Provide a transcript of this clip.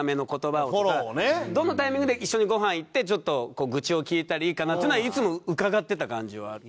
どのタイミングで一緒にご飯行ってちょっと愚痴を聞いたらいいかなっていうのはいつもうかがってた感じはある。